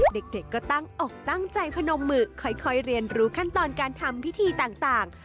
เด็กก็ตั้งอกตั้งใจพนมมือค่อยเรียนรู้ขั้นตอนการทำพิธีต่าง